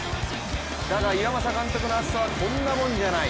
だが、岩政監督の熱さはこんなもんじゃない。